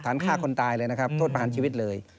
ฐานฆ่าคนตายเลยนะครับโทษผ่านชีวิตเลย